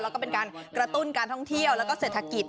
แล้วก็เป็นการกระตุ้นการท่องเที่ยวแล้วก็เศรษฐกิจ